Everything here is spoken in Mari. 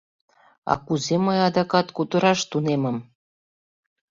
А кузе мый адакат кутыраш тунемым?